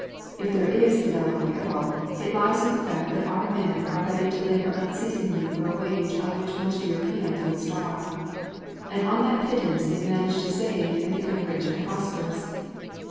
If there is a Yellow Peril, it lies in the fact that our men are ready to labour unceasingly for a wage on which most Europeans would starve, and on that pittance they manage to save and become rich and prosperous.